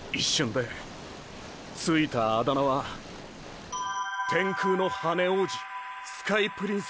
ついたアダ名は天空の羽根王子“スカイプリンス”。